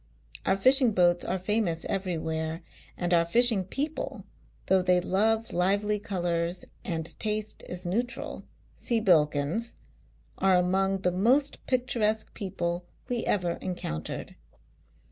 Our fishing boats are famous everywhere ; and our fishing people, though they love lively colours and taste is neutral (see Bilkins), are among the most pic turesque people we ever encountered.